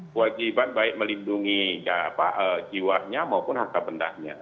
kewajiban baik melindungi jiwanya maupun harta benda nya